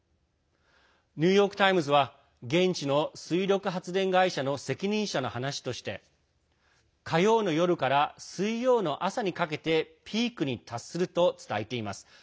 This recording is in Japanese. ニューヨーク・タイムズは現地の水力発電会社の責任者の話として火曜の夜から水曜の朝にかけてピークに達すると伝えています。